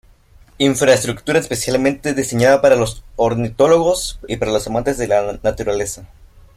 Infraestructura especialmente diseñada para los ornitólogos y para los amantes de la naturaleza.